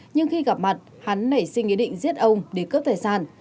nhưng khi gặp mặt hắn nảy sinh ý định giết ông để cướp tài sản